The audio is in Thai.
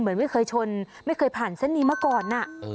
เหมือนไม่เคยชนไม่เคยผ่านเส้นนี้มาก่อน